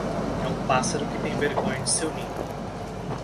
É um pássaro que tem vergonha de seu ninho.